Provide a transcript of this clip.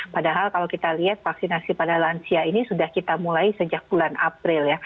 padahal kalau kita lihat vaksinasi pada lansia ini sudah kita mulai sejak bulan april ya